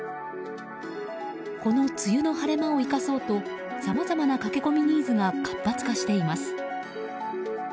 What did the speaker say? この梅雨の晴れ間を生かそうとさまざまな駆け込みニーズが活発化しています。